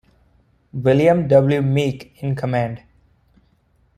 William W. Meek in command.